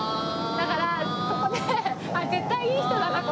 だからそこで。